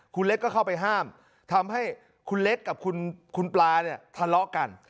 คุณเล็กก็เข้าไปห้ามทำให้คุณเล็กกับคุณปลาเนี่ยทะเลาะกัน